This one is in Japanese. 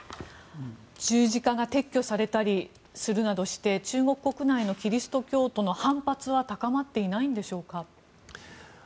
十字架が撤去されたりするなどして中国国内のキリスト教徒の反発は高まっていないんでしょうか。